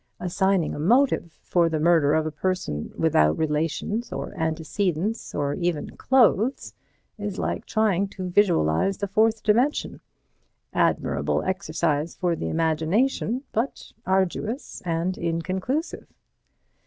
Assigning a motive for the murder of a person without relations or antecedents or even clothes is like trying to visualize the fourth dimension—admirable exercise for the imagination, but arduous and inconclusive.